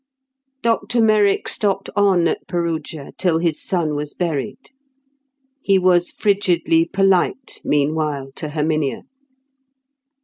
Dr Merrick stopped on at Perugia till his son was buried. He was frigidly polite meanwhile to Herminia.